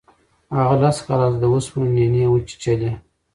هغه لس کاله هلته د اوسپنو نینې وچیچلې.